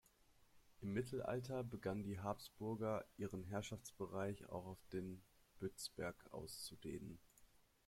Im Mittelalter begannen die Habsburger, ihren Herrschaftsbereich auch auf den Bözberg auszudehnen.